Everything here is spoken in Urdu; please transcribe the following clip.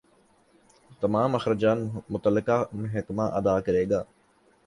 تمام اخراجات متعلقہ محکمہ ادا کرے گا۔